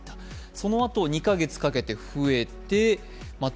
そのあと２カ月かけて増えてまた